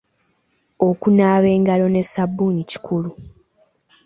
Okunaaba engalo ne ssabbuuni kikulu.